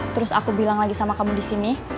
terus aku bilang lagi sama kamu disini